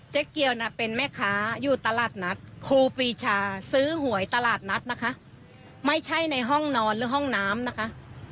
เกียวน่ะเป็นแม่ค้าอยู่ตลาดนัดครูปีชาซื้อหวยตลาดนัดนะคะไม่ใช่ในห้องนอนหรือห้องน้ำนะคะ